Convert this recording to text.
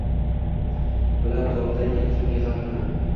Bilan tortay eng so’nggi xatni.